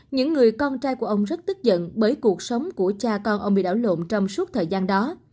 những người con trai của ông rất tức giận bởi cuộc sống của cha con ông bị đảo lộn trong suốt thời gian đó